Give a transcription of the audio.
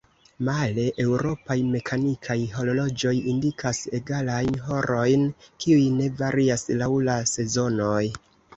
Male, eŭropaj mekanikaj horloĝoj indikas egalajn horojn, kiuj ne varias laŭ la sezonoj.